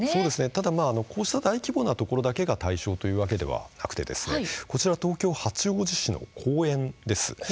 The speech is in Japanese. ただこうした大規模な場所だけが対象というわけではなくてこちらは東京八王子市の公園です。